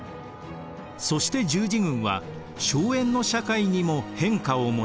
そして十字軍は荘園の社会にも変化をもたらします。